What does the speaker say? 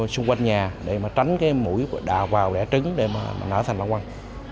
xung quanh nhà để mà tránh cái mũi đào vào rẽ trứng để mà nở thành lòng quăng